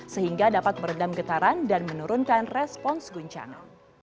sehingga dapat meredam getaran dan menurunkan respons guncana